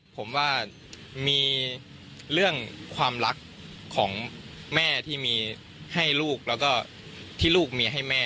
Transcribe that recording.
ผมว่ามีเรื่องความรักของแม่ที่มีให้ลูกแล้วก็ที่ลูกเมียให้แม่